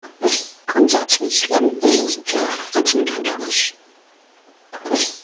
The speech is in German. Grundsätzlich leben Emus eher einzelgängerisch.